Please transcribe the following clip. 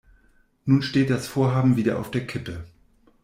Nun steht das Vorhaben wieder auf der Kippe.